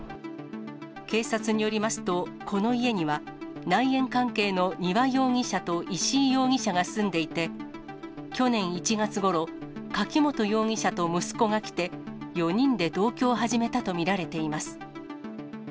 警察によりますと、この家には、内縁関係の丹羽容疑者と石井容疑者が住んでいて、去年１月ごろ、柿本容疑者と息子が来て、４人で同居を始めたと見られています。